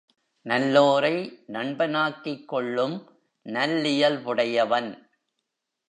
நல்லோரை நண்பனாக்கிக் கொள்ளும் நல்லியல்புடையவன்.